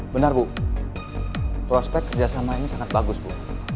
benar bu prospek kerjasama ini sangat bagus bu